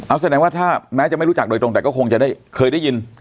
เอาแสดงว่าถ้าแม้จะไม่รู้จักโดยตรงแต่ก็คงจะได้เคยได้ยิน